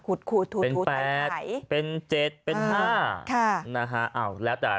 คูดคูดถูดถูดเป็นแปดเป็นเจ็ดเป็นห้าค่ะนะคะอ่าวแล้วแต่